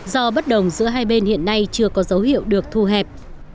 do bất đồng giữa hai bên hiện nay chưa có dấu hiệu được thu hẹp